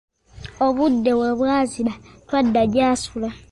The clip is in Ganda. Obudde we bwaziba twadda gy'asula.